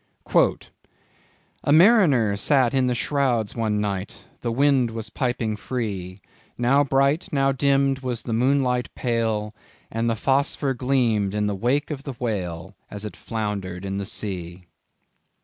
"A mariner sat in the shrouds one night, The wind was piping free; Now bright, now dimmed, was the moonlight pale, And the phospher gleamed in the wake of the whale, As it floundered in the sea."